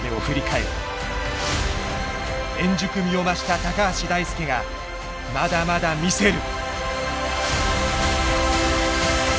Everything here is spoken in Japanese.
円熟味を増した橋大輔がまだまだ魅せる！